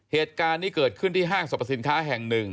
เหตุการณ์นี้เกิดขึ้นที่ห้างสรรพสินค้าแห่งหนึ่ง